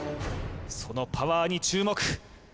そのパワーに注目